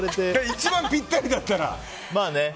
一番ぴったりだったら。